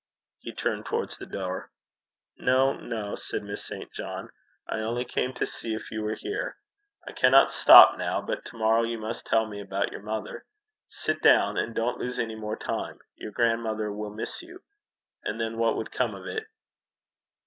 He turned towards the door. 'No, no,' said Miss St. John. 'I only came to see if you were here. I cannot stop now; but to morrow you must tell me about your mother. Sit down, and don't lose any more time. Your grandmother will miss you. And then what would come of it?'